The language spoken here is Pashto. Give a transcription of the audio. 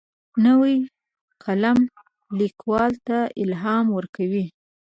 نوی قلم لیکوال ته الهام ورکوي